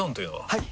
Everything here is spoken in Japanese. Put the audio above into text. はい！